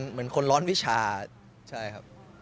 เหมือนคนร้อนวิชาใช่ครับ